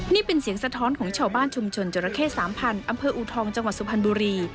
นี่เป็นเสียงสะท้อนของชาวบ้านชุมชนจราเข้๓๐๐๐อำเภออูทองจังหวัดสุพรรณบุรี